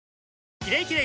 「キレイキレイ」